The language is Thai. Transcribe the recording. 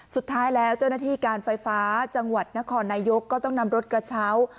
สุดท้ายแล้วเจ้าหน้าที่การไฟฟ้าจังหวัดนครนายกก็ต้องนำรถกระเช้า